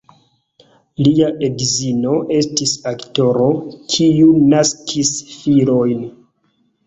Lia edzino estis aktoro, kiu naskis filojn.